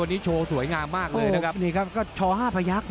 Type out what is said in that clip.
วันนี้โชว์สวยงามมากเลยนะครับนี่ครับก็ชอ๕พยักษ์